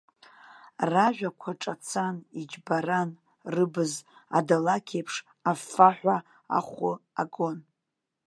Ражәақәа ҿацан, иџьбаран, рыбз, адалақь еиԥш аффаҳәа ахәы агон.